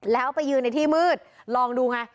แล้วไปยืนในที่มืดลองดูไง